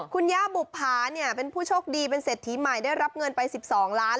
คุณย่าบุภาเนี่ยเป็นผู้โชคดีเป็นเศรษฐีใหม่ได้รับเงินไป๑๒ล้าน